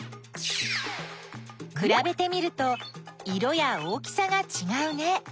くらべてみると色や大きさがちがうね。